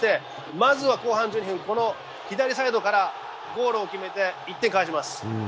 まずは後半１２分、左サイドからゴールを決めて１点返します。